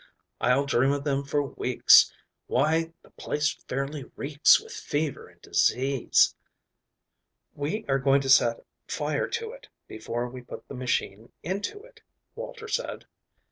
I'll dream of them for weeks. Why, the place fairly reeks with fever and disease." "We are going to set fire to it before we put the machine into it," Walter said.